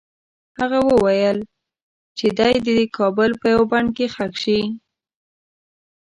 هغه وویل چې دی دې د کابل په یوه بڼ کې ښخ شي.